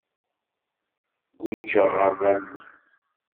Guǧǧeɣ ɣer Lalman.